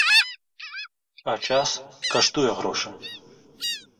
А час каштуе грошы.